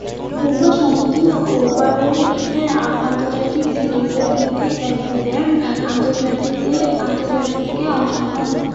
এরপর সীমিত ওভারের আন্তর্জাতিক সিরিজে তিনটি একদিনের আন্তর্জাতিকে অংশগ্রহণ করে।